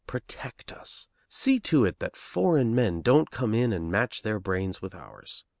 Protect us. See to it that foreign men don't come in and match their brains with ours."